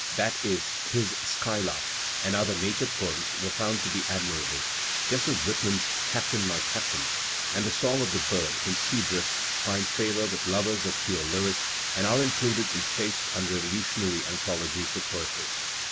That is, his "Skylark" and other nature poems were foimd to be admirable, just as Whitman's "Captain, My Captain" and the song of the bird in "Sea Drift" find favour with lovers of pure lyrics and are included in chaste unrevolutionary anthologies of poetry.